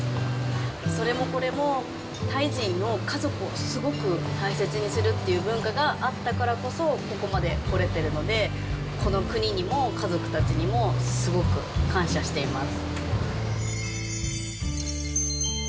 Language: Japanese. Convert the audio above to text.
それもこれも、タイ人の家族をすごく大切にするっていう文化があったからこそ、ここまで来れてるので、この国にも家族たちにも、すごく感謝しています。